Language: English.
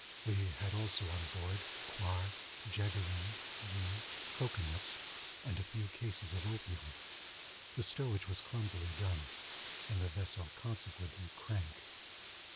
We had also on board coir, jaggeree, ghee, cocoa nuts, and a few cases of opium. The stowage was clumsily done, and the vessel consequently crank.